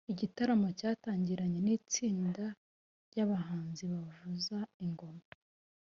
Igitaramo cyatangiranye n’itsinda ry’abahanzi bavuza ingoma